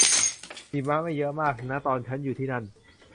หิมะไม่เยอะมากนะตอนฉันอยู่ที่นั่น